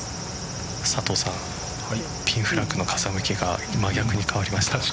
ピンフラッグの風向きが真逆に変わりました。